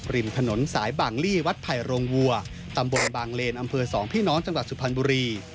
ริมถนนสายบางลี่วัดไผ่โรงวัวตำบลบางเลนอำเภอสองพี่น้องจังหวัดสุพรรณบุรี